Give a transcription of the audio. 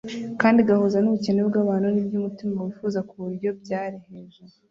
kandi igahuza n’ubukene bw’abantu n’ibyo umutima wifuza ku buryo byareheje